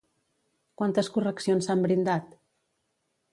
Quantes correccions s'han brindat?